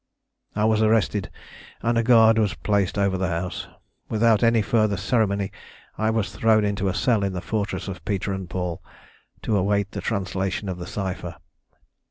"I was arrested, and a guard was placed over the house. Without any further ceremony I was thrown into a cell in the fortress of Peter and Paul to await the translation of the cypher.